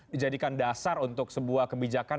dijadikan dasar untuk sebuah kebijakan